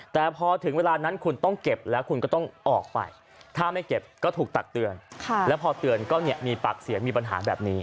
แต่พอถึงเวลานั้นคุณต้องเก็บแล้วคุณก็ต้องออกไปถ้าไม่เก็บก็ถูกตักเตือนแล้วพอเตือนก็เนี่ยมีปากเสียงมีปัญหาแบบนี้